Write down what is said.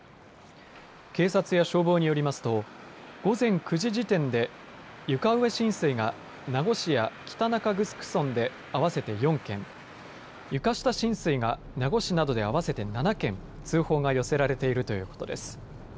警察や消防によりますと午前９時時点で床上浸水が名護市や北中城村で合わせて４件、床下浸水が名護市などで合わせて７件、通報が寄せられているということです。